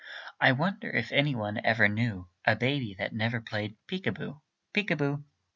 I wonder if any one ever knew A baby that never played peek a boo, peek a boo.